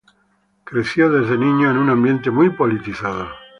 Creció, desde niño, en un ambiente muy politizado.